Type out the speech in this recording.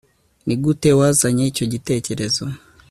Nigute wazanye icyo gitekerezo